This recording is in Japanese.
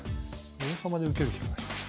王様で受けるしかない。